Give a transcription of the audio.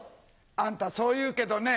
あんたそう言うけどね